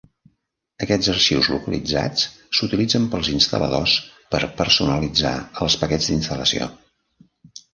Aquests arxius localitzats s'utilitzen pels instal·ladors per personalitzar els paquets d'instal·lació.